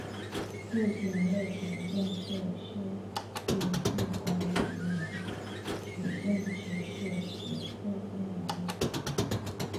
父亲为前建设事务次官及鸟取县知事石破二朗。